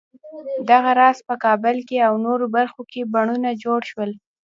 دغه راز په کابل او نورو برخو کې بڼونه جوړ شول.